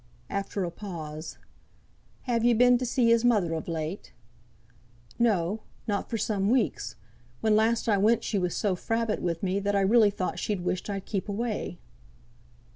After a pause. "Have ye been to see his mother of late?" "No; not for some weeks. When last I went she was so frabbit with me, that I really thought she wished I'd keep away."